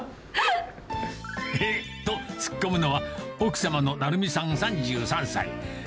えっと、突っ込むのは奥様の成美さん３３歳。